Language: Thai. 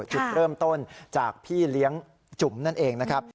จุดเริ่มต้นจากพี่เลี้ยงจุ๋มนั่นเองนะครับ